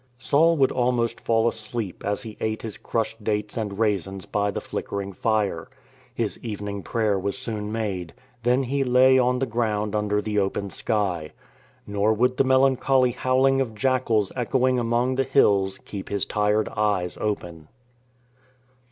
Saul would almost fall asleep as he ate his crushed dates and raisins by the flickering fire. His evening prayer was soon made. Then he lay on the ground under the open sky. Nor would the melancholy howl ing of jackals echoing among the hills keep his tired eyes open.